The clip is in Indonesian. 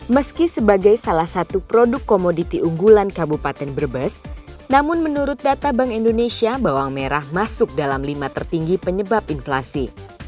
meski sebagai salah satu produk komoditi unggulan kabupaten brebes namun menurut data bank indonesia bawang merah masuk dalam lima tertinggi penyebab inflasi